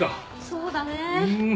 そうだね。